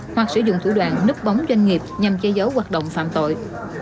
hoặc sử dụng thủ đoàn núp bóng doanh nghiệp nhằm che giấu hoạt động phạm tội